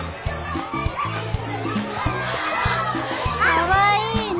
かわいいね。